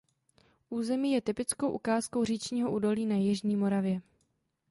Území je typickou ukázkou říčního údolí na jižní Moravě.